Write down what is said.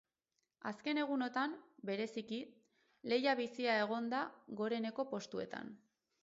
Azken egunotan, bereziki, lehia bizia egon da goreneko postuetan.